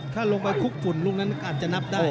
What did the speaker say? ถ้าลงมาคุกฝุ่นลูกนั้นอาจจะนับได้